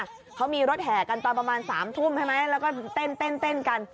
เขามีรถแห่กันตอนประมาณ๓ทุ่มใช่ไหมแล้วก็เต้นเต้นกัน